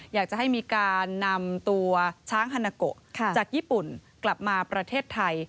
อยากจะให้มีการนำตัวช้างฮานาโกจากญี่ปุ่นกลับมาประเทศไทย